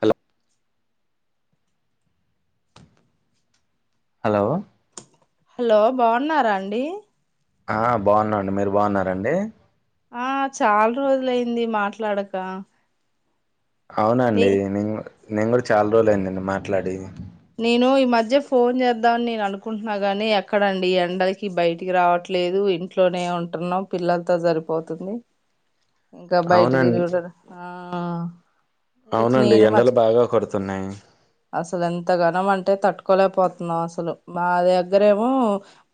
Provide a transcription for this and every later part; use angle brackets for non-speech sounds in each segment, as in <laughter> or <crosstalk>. Hello hello hello బాగున్నారా అండి ఆ బాగున్నాండి మీరు బాగున్నారంండి ఆ చాలా రోజులయింది మాట్లాడక నీ అవునండి నేను కూడా నేను కూడా చాలా రోజులు అయిందండి మాట్లాడి నేను ఈ మధ్య ఫోన్ చేద్దాంని నేను అనుకుంటున్నా గాని ఎక్కడండి ఈ ఎండలకి బయటికి రావట్లేదు ఇంట్లోనే ఉంటున్నాం పిల్లలతో సరిపోతుంది ఇంకా బయటికి అవునండి చూడరు ఆ ఇక అవునండి నేను ఎండలు మర్చి బాగా కొడుతున్నాయి అసలు ఎంత ఘనం అంటే తట్టుకోలేకపోతున్నాం అసలు మా దగ్గరేమో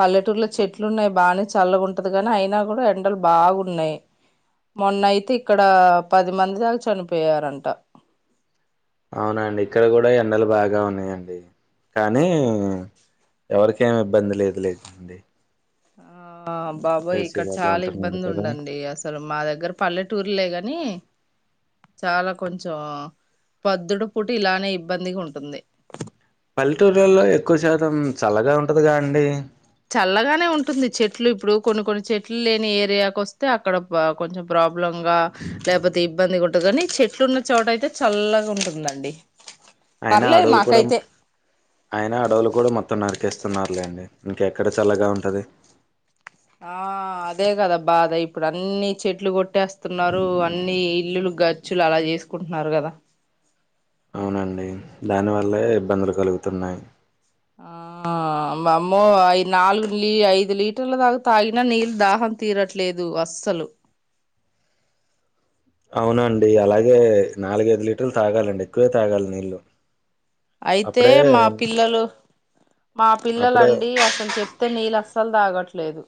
పల్లెటూర్లో చెట్లు ఉన్నాయి బాగానే చల్లగాంటది కాని అయినా కూడా ఎండలు బాగున్నాయి మొన్నయితే ఇక్కడ పది మంది దాకా చనిపోయారంట అవునండి ఇక్కడ కూడా ఎండలు బాగా ఉన్నాయండి కానీ ఎవరిక ఏమి ఇబ్బంది లేదు లేదుండి ఆ ఆ బాబాయ్ ఇక్కడ చాలా ఉంటున్నారు ఇబ్బంది కదా ఉండండి అసలు మా దగ్గర పల్లెటూర్ లేగాని కానీ చాలా కొంచెం పొద్దుడు పుట్ ఇలానే ఇబ్బందిగా ఉంటుంది మం చల్లగా ఉంటుందిగా అండి చల్లగానే ఉంటుంది చెట్లు ఇప్పుడు కొన్ని కొన్ని చెట్లు లేని ఏరియాకు వస్తే అక్కడ కొంచెం ప్రాబ్ లంగా లేకపోతే ఇబ్బంది కూడా కాని చెట్లున్న చోట అయితే చల్లగా ఉంటుందండి అయినా పర్లేదు అడవులు కూడా మాకైతే అయిన అడవులు కూడా మొత్తం నరికేస్తున్నారులేండి ఇంకాెక్కడ చాలాగా ఉంటుంది ఆ అదే కదా బాధ ఇప్పుడు అన్నిీ చెట్లు కొట్టేస్తా స్తున్నారు అన్ని ఇల్లులు ర్చ్చులు అలా చేసుకుంటున్నారు కదా అవునండి దానివల్లే ఇబ్బందులు కలుగుతున్నాయి ఆ మామ్మో అఐ నాలుగు లీ ఐదు లీటర్ల దాకా తాగిన నీళ్ళు దాహం తీరట్లేదు అస్సలు అవునండి అలాగే నాలుగ ఐదు లీటర్లు తాగాలండి ఎక్కువే తాగాలి నీళ్ళు అయితే అప్పుడే మా పిల్లలు మా పిల్లల అప్పుడే అండి అసలు చెప్తే నీళ్ళు అస్సలు తాగట్ లేదు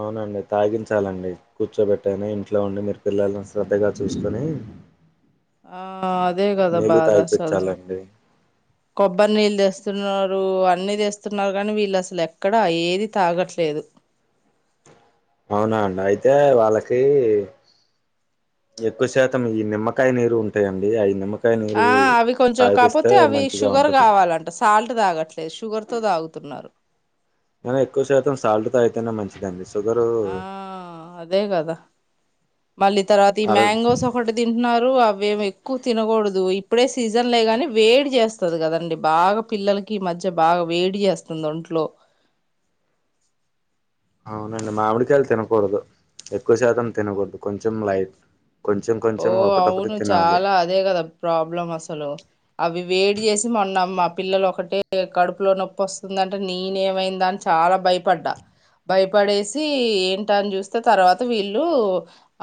అవునండి తాగించాలండి కూర్చోబెట్టనా ఇంట్లో ఉండి మీరు పిల్లల్ని శ్రద్ధగా చూసుకొని ఆ అదే కదా నీళ్ళు బాధ అసలు తాగిపిచ్చాలండి. కొబ్బరినీళ్లుస్త వస్తున్నారు అన్నీ తేస్తున్నారు కానీ వీళ్ళు అసలు ఎక్కడ ఏది తాగట్లేదు అవునా అండి అయితే వాళ్ళకి ఎక్కువ శాతం ఈ నిమ్మకాయ నీరు ఉంటాయంండి ఆ నిమ్మకాయ నీరు ఆ అవి కొంచెం తాగిపిస్తే కాకపోతే అవి మంచిగా షుగర్ ఉంటది. కావాలంట సాల్ట్ తాగట్లేదు షుగర్ తో తాగుతున్నారు కానీ ఎక్కువ శాతం సాల్ట్ తాగితేనే మంచిదండి షుగరు ఆ అదే కదా మళ్ళీ తర్వాత ఈ ఆరోగ్ మ్యాంగోస్ ఒకటి తింటున్నారు అవి ఏం ఎక్కువ తినకూడదు ఇప్పుడే సీజన్లే గానీ వేడి చేస్తది కదండి బాగా పిల్లలకి మధ్య బాగా వేడి చేస్తుంది ఒంట్లో అవునండి మామిడికాయలు తినకూడదు ఎక్కువ శాతం తినకూడదు కొంచెం లైట్ కొంచెం ఓ కొంచెం ఒకటొకటి అవును తినాలి. చాలా అదే కదా ప్రాబ్లం అసలు అవి వేడి చేసి మొన్నమ్మ పిల్లలు ఒకటే కడుపులో నొప్పి వస్తుందంటే నేనేమైంద అని చాలా భయపడ్డా భయపడేసి ఏంట అని చూస్తే తర్వాత వీళ్ళు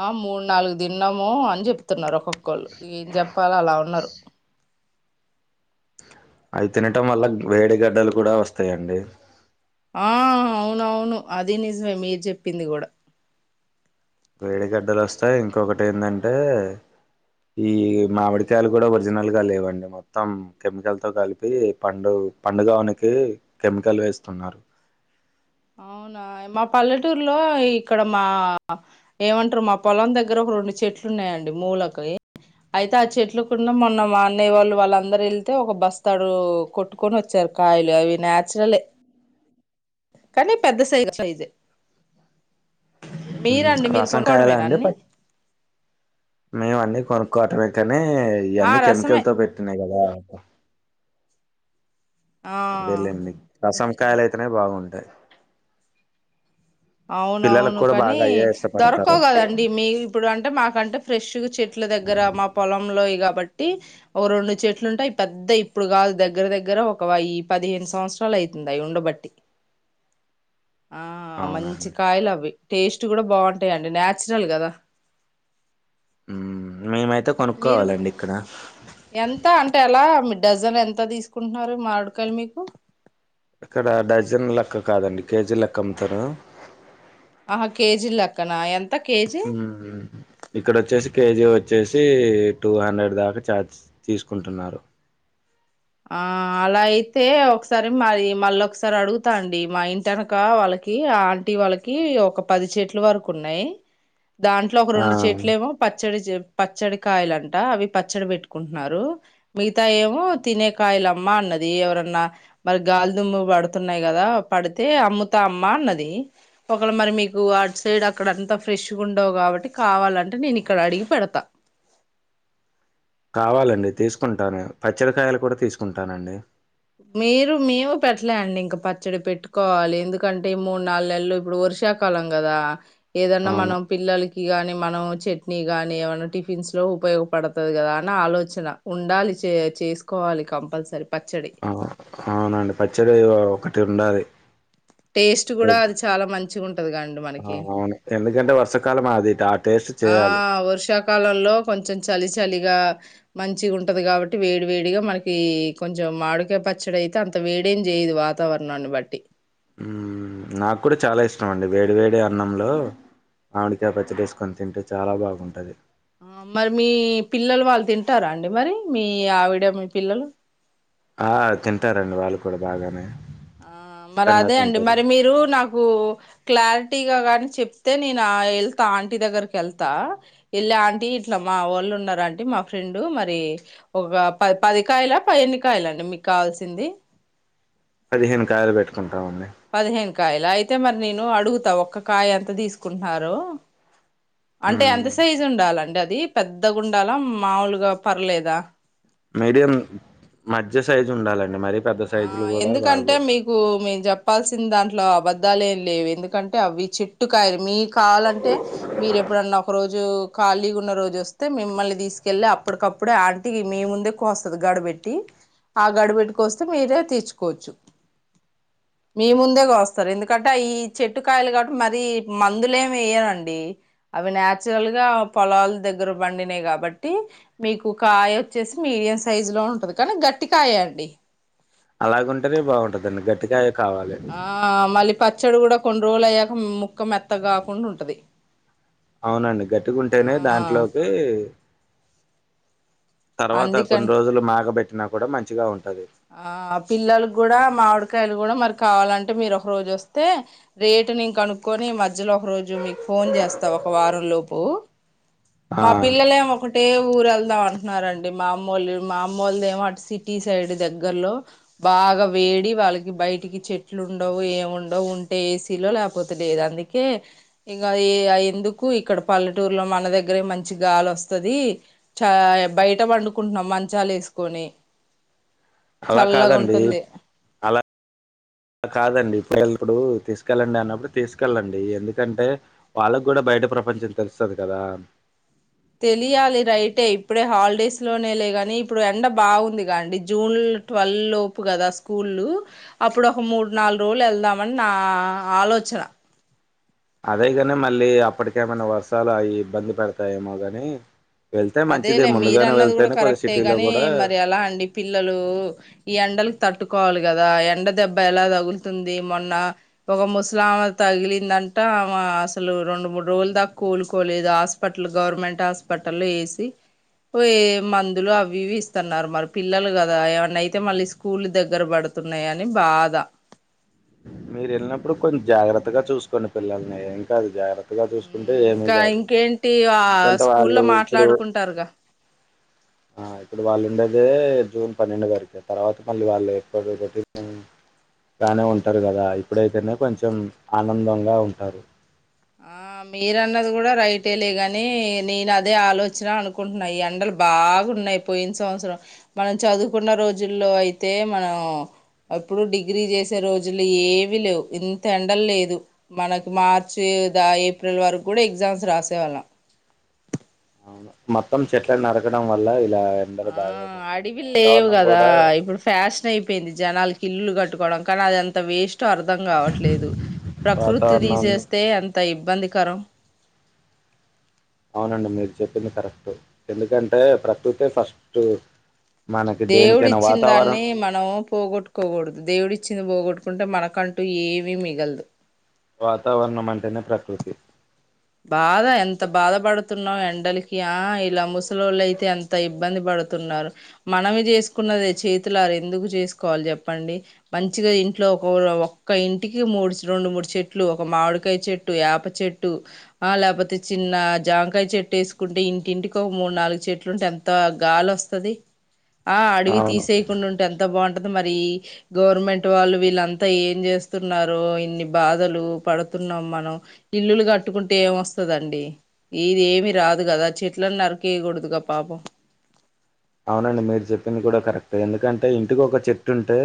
ఆ మూడు నాలుగు తీన తిన్నాము అని చెప్తున్నారు ఒక్కొక్కళ్ళు ఏం చెప్పల అలా ఉన్నారు అవి తినటం వల్ల వేడిగడ్డలు కూడా వస్తాయంండి ఆ అవునవును అది నిజమే మీరు చెప్పింది కూడా వేడిగడ్డలు వస్తాయి ఇంకొకటి ఏందంటే ఈ మామిడికాయలు కూడా ఒరిజినల్గా లేవండి మొత్తం కెమికల్తో కలిపి పండు పండుగవనకి కెమికల్ వేస్తున్నారు అవునా మా పల్లెటూరులో ఇక్కడ మా ఏమంటారు మా పొలం దగ్గర ఒక రెండు చెట్లు ఉన్నాయండి మూలకి అయితే ఆ చెట్లు కున్నా మొన్న మా అన్నయ్యవాళ్ళు వాళ్ళందరు వెళ్తే ఒక బస్తాడు కొట్టుకొని వచ్చారు కాయలు అవి నాచురలే కానీ పెద్ద సైగ సైజె రసం కాయలు అండి ప మేము అన్నీ కొను కోటర్ వి <unintelligible> అనే ఆ ఇయ్యాన్ని రసమే కెమికల్ తో పెట్టినాయి కదా ఆ అదేలేండి రసమే కాలయితనే బాగుంటయ్ అవునవును కానీ ఇష్టపడతారు దొరకవ్ కదండి మీ ఇప్పుడు అంటే మాకంటే ఫ్రెష్ గా చెట్ ట్ల దగ్గర మా పొలంలో ఇగ బట్టి ఓ రెండు చెట్లు ఉంటాయి పెద్ద ఇప్పుడు కాదు దగ్గర దగ్గర ఒక పదిహేను సంవత్సరాలు అయితుంది అయి ఉండబట్టి ఆ అవునా మంచి అండి అవి టేస్ట్ కూడా బాగుంటాయిండి నాచురల్ గదా మీ మై మీరు ఎంత అంటే అలా డజన్ ఎంత తీసుకుంటున్నారు మామిడికాయలు మీకు ఇక్కడ డజన్ లెక్క కాదండి కేజీ లెక్క అమ్ముతారు ఆ కేజీ లక్కనా ఎంత కేజీ హ్మ్ హ్మ్ ఇక్కడ వచ్చేసి కేజీ వచ్చేసి టూ హండ్రెడ్ దాకా ఛార్జ్ తీసుకుంటున్నారు ఆ అలా అయితే ఒకసారి మరి మళ్ళ ఒకసారి అడుగుతాండి మా ఇంటినక వాళ్ళకి ఆంటీ వాళ్ళకి ఒక పది చెట్లు వరకు ఉన్నాయ్ దాంట్లో ఒక ఆ రెండు చెట్లు ఏమో పచ్చడి చె పచ్చడి కాయలు అంట అవి పచ్చడి పెట్టుకుంటున్నారు మిగతా ఏమో తినే కాయలు అమ్మా అన్నది ఎవరన్నా మరి గాలిదుమ్ము పడుతున్నాయి కదా పడితే అమ్ముతా అమ్మా అన్నది ఒకళ మరి మీకు అటు సైడ్ అక్కడ అంత ఫ్రెష్గా ఉండవు కాబట్టి కావాలంటే నేను ఇక్కడ అడిగి పెడతా కావాలండి తీసుకుంటాను పచ్చడి కాయలు కూడా తీసుకుంటానండి మీరు మేము పెట్టలేండి ఇంకా పచ్చడి పెట్టుకోవాలి ఎందుకంటే మూడు నాలుగు నెలలు ఇప్పుడు వర్షాకాలం కదా ఏదన్న అవును మనం పిల్లలకి ఇగాని మనం చట్నీ కాని ఏమైనా టిఫిన్స్ లో ఉపయోగపడతది కదా అని ఆలోచన ఉండాలి చే చేసుకోవాలి కంపల్సరీ పచ్చడి ఆ <inaudible> అవునండి పచ్చడి ఒకటి ఉండాలి టేస్ట్ కూడా అది చాలా మంచి గుంటది కా అండి మనకి ఇకంట వర్షకాల ఆది ఆ టేస్ట్ ఆ చేయాలి వర్షాకాలంలో కొంచెం చలి చలిగా మంచిగా ఉంటది కాబట్టి వేడి వేడిగా మనకి కొంచెం మాడుకే పచ్చడి అయితే అంత వేడేం చేయదు వాతావరణాన్ని బట్టి హ్మ్ నాకు కూడా చాలా ఇష్టం అండి వేడివేడి అన్నంలో మామిడికాయ పచ్చడేసుకొని తింటే చాలా బాగుంటది ఆ మరి మీ పిల్లలు వాళ్ళు తింటారా అండి మరి మీ ఆవిడ మీ పిల్లలు ఆ తింటారండి వాళ్ళు కూడా బాగానే ఆ మరి ఇష్టంగా అదే అండి తింటారు. మరి మీరు నాకు క్లారిటీగా కానీ చెప్తే నేను వెళ్తా ఆంటీ దగ్గరకి వెళ్తా వెళ్ళ ఆంటీ ఇట్లా మా వాళ్ళు ఉన్న అంట మా ఫ్రెండు మరి ఒక ప పదికాయలా పది ఎన్ని కాయల అండి మీకు కావాల్సింది అదిేన్ కాయలు పెట్టుకన్నా క ఉడి కాయలా అయితే మరి నేను అడుగుతా ఒక్క కాయ అంత తీసుకుంటున్నారు అంటే హ్మ్ ఎంత సైజు ఉండాలండి అ ఇది పెద్ద గుంండాల మాములుగా పర్లేదా మీడియం మధ్య సైజు ఉండాలండి మరి ఆ ఎందుకంటే మీకు మేము చెప్ప చెప్పాల్సిిన దాంట్లో అబద్ద్దాలు ఏం లేవు ఎందుకంటే అవి చెట్టు కాయలు మీ కావాలంటే మీరు ఎప్పుడన్నా ఒక రోజు ఖాళీగా ఉన్న రోజు వస్తే మిమ్మల్ని తీసుకెళ్ళలి అప్పటికప్పుడే ఆంటికి మీ ముందే కోస్తది గడబెట్టి ఆ గడబెట్టు కోస్త మీరే తీచ్చుకోవచ్చు మీ ముందేస్తారు ఎందుకంటే ఈ చెట్టు కాయలు కాబట్టి మరీ మందులే ఏమి వేయనండి అవి నాచురల్ గా పొలాల దగ్గర బండినా కాబట్టి మీకు కాయ వచ్చేసి మీడియం సైజు లో ఉంటది కానీ గట్టికాయ అండి అలాగంటే బాగుంటందండి గట్టిగా ఆ మళ పచ్చడి కూడా కొన్ని రోజులు అయ్యాక ముక్క మెత్త కాకుండా ఉంటది అవునండి గట్టిగా ఉంటేనే ఆ దాంట్లోకి తర్వాత కొన్ని అందుకని రోజులు మేగబెట్టినా కూడా మంచిగా ఉంటుంది ఆ పిల్లలు కూడా మామిడు ఉరకాయలు కూడా మరి కావాలంటే మీరు ఒక రోజు వస్తే రేటుని ఇం కనుక్కొని మధ్యలో ఒక రోజు మీకు ఫోన్ చేస్తావు ఒక వారం లోపు ఆ మా పిల్లలే ఒకటే ఊర ా అంటున్నారండి మా అమ్మోలు మా అమ్మోలు దేమ సిటీ సైడ్ దగ్గ దగ్గరలో బాగా వేడి వాళ్ళకి బయటికి చెట్లు ఉండవు ఏముండవు ఉంటే ఏసీలో లేకపోతే లేదు అందుకే ఇంకా ఎందుకు ఇక్కడ పల్లెటూరులో మన దగ్గరే మంచి గాలి వస్తుది చ బయట పండుకుంటున్నాం మంచాలు వేసుకొని అలా చల్లగా కాదండి ఉంటుంది కాదండి ఇప్పుడుప్పుడు తీసుకెళ్ళండి అన్నప్పుడు తీసుకెళ్ళండి ఎందుకంటే వాళ్ళకు కూడా బయట ప్రపంచం తెలుస్తుంది కదా తెలియాలి రైటే ఇప్పుడే హాలిడేస్ లోనే లే ని ఇప్పుడు ఎండ బాగుంది అండి జూన్ ట్వెల్్ లోపు కదా స్కూల్లు అప్పుడు ఒక మూడు నాలుగు రోజులు వెళ్దామని నా ఆలోచన అదేగాని మళ్ళీ అప్పటికేమైనా వర్షాలు అవి ఇబ్బంది పెడతాయేమో గాని వెళ్తే మంచిదే అదేలే మీరు ముందుగానే అన్నది కూడా వెళ్తేనే కొద్ది కరెక్టే సిటీలో గాని కూడా మరి ఎలా అండి పిల్లలు ఈ ఎండలు తట్టుకోవాలి కదా ఎండ దెబ్బ ఎలా తగులుతుంది మొన్న ఒక ముస్లాం తగిలిందంటా అసలు రెండు మూడు రోజుల దాకా కూలుకోలేదు హాస్పిటల్ గవర్నమెంట్ హాస్పిటల్ పోయ మందులు అవి ఇస్తున్నారు మరి పిల్లలు కదా ఏవన్న అయితే మళ్ళీ స్కూల్ దగ్గర పడుతున్నాయ అని బాధ మీరు వెళ్ళినప్పుడు కొంచెం జాగ్రత్తగా చూసుకోండి పిల్లల్ని ఇంకాదు జాగ్రత్త ఇంకా ఇంకేంటి ఆ ఎందుకంటే స్కూల్లో వాళ్ళు ఇప్పుడు మాట్లాడుకుంటారుగా ఆ ఇప్పుడు వాళ్ళు ఉండేదే జూన్ పన్నెండు వరకు తర్వాత మళ్ళీ వాళ్ళు ఎక్కడటి నే ఉంటారు కదా ఇప్పుడైతేనే కొంచెం ఆనందంగా ఉంటారు ఆ మీరన్నది కూడా రైటే లే గాని నేను అదే ఆలోచన అనుకుంటున్నా ఈ ఎండలు బాగున్నాయి పోయిన సంవత్సరం మనం చదువుకున్న రోజుల్లో అయితే మనం ఎప్పుడు డిగ్రీ చేసే రోజులు ఏవిీ లేవు ఇంత ఎండలు లేదు మనకి మార్చి ా ఏప్రిల్ వరకు కూడా ఎగ్జామ్స్ రాసేవాళ్ళం అవును మొత్తం చెట్ల నరకడం వల్ల ఇలా ఎండలు ఆ బాగా కొడుతున్నాయి అడవి లేవు వాతావరణం కదా కూడా ఇప్పుడు ఫ్యాషన్ అయిపోయింది జనాలకి ఇల్లులు కట్టు ట్కోవడం కానీ అదింత వేస్ట్ అం కాట్లేదు ప్రక వాతావరణం తీ అంత ఇబ్బంది కం అవునండి మీరు చెప్పింది కరెక్ట్. ఎందుకంటే ప్రస్తుతే ఫస్ట్ మనకి దేవుడు దేనికైనా ఇచ్చిన్ దాన్ని వాతావరణం మనము పోగొట్టుకోగూడదు. దేవుడు ఇచ్చింది పోగొట్ అనుకుంటే మనకంటూ ఏమిీ మిగల్దు వాతావరణం అంటేనే ప్రకృతి. బాధ ఎంత బాధ పడు తున్నాం ఎండలకి ఆ ఇలా ముసలోళ్ళు అయితే అంత ఇబ్బంది పడుతున్నారు మనమే చేసుకున్నదే చేతులార ఎందుకు జేసుకోవాలి చెప్పండి. మంచిగా ఇంట్లో ఒక ఒక్క ఇంటికి మూడు, రెండు, మూడు చెట్లు ఒక మామిడికాయ చెట్టు ఏప చెట్టు ఆ లేకపోతే చిన్న జామకాయ చెట్టు వేసుకుంటే ఇంటింటికి ఒక మూడు నాలుగు చెట్లుంటే ఎంత గాలస్తది ఆ అడవి అవును తీసేయకుండా ఉంటే ఎంత ఎంత బాగుంటది మరి గవర్నమెంట్ వాళ్ళు వీళ్ళంతా ఏం చేస్తున్నారు ఇన్ని బాధలు పడుతున్నాం మనం ఇల్లులు కట్టుకుంట ఇంటే ఏమొస్తదండి ఇది ఏమి రాదు కదా చెట్లను నరికేయకూడదుగా పాపం అవునండి మీరు చెప్పింది కూడా కరెక్ట్ ఎందుకంటే ఇంటికి ఒక చెట్టు ఉంటే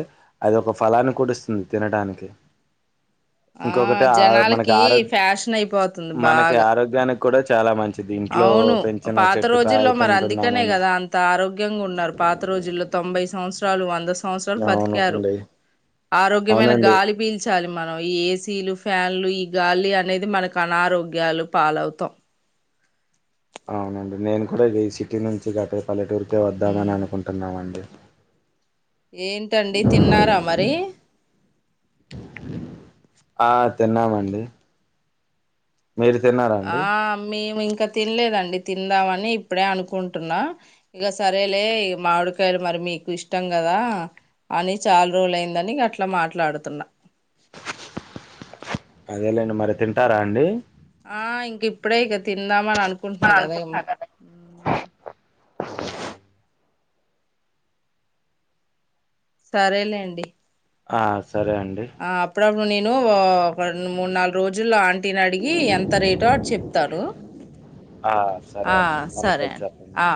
అది ఒక ఫలాన్ని కూడ ఇస్తుంది తినడాానికి ఆ జనాలకి ఫ్యాషన్ అయిపోతుంది మనకి బాగా ఆరోగ్యానికి కూడా చాలా మంచి అవును పాత రోజుల్లో మరి అందుకనే తింటున్నామని కదా అంత ఆరోగ్య ఆరోగ్యాంగా ఉన్నారు. పాత రోజుల్లో తొంభై సంవత్సరాలు వంద సంవత్స సంవత్సరాలు అవును బతికారు. అండి ఆరోగ్యమైన అవునండి గాలి పీల్చాలి. మనం ఏసీలు ఫ్యాన్లు ఈ గాలి అనేది మనకు అనారోగ్యాలు పాలవుతాం అవునండి నేను కూడా ఈ సిటీ నుంచి గట పల్లెటూరుకే వద్దామని మ్మ్ అనుకుంటున్నామండి. ఏంటండి తిన్నారా మరి ఆ తిన్నామండి. మీరు తిన్నారండి ఇంక తినలేదండి తిందామని ఇప్పుడే అనుకుంటున్నా ఇగ సరేలే మామిడికాయలు మరి మీకు ఇష్టం కదా అని చాలా రోజుల అయిందని ఇగ అట్ల మాట్లాడుతున్నా. అదేలేండి మరి తింటారా అండి ఆ ఇంక ఇప్పుడే ఇగ తిందామని అనుకుం అనుకుంటున్నా కదా ఏం మ్మ్ సరేలేండి ఆ సరే అండి ఇప్పుడు నేను ఒక మూడు నాలుగు రోజుల్లోంట ఆంటీనడిగి ఎంత రేటో చెప్తారు ఆ సరే ఆ అండి సరే అనుకొని అండి. చెప్పండి ఆ